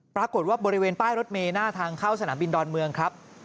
ปรากฏว่าบริเวณป้ายรถเมย์หน้าทางเข้าสนามบินดอนเมืองครับ